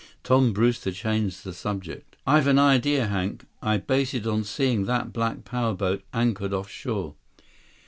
Tom Brewster changed the subject. "I've an idea, Hank. I base it on seeing that black power boat anchored off shore."